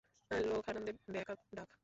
Lokhande, backup ডাক!